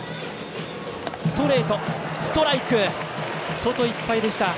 外いっぱいでした。